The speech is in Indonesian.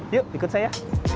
yuk ikut saya